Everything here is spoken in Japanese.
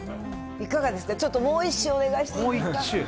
いかがですか、ちょっともう１周、お願いしていいですか。